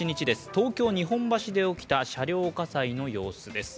東京・日本橋で起きた車両火災の様子です。